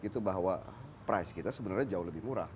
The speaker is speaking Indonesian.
itu bahwa price kita sebenarnya jauh lebih murah